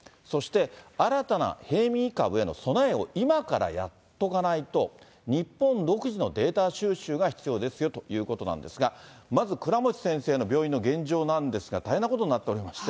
そして、新たな変異株への備えを今からやっとかないと、日本独自のデータ収集が必要ですよということなんですが、まず倉持先生の病院の現状なんですが、大変なことになっておりま